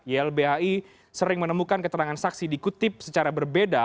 ylbhi sering menemukan keterangan saksi dikutip secara berbeda